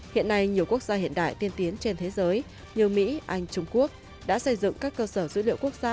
hiện nay nhiều quốc gia hiện đại tiên tiến trên thế giới như mỹ anh trung quốc đã xây dựng các cơ sở dữ liệu quốc gia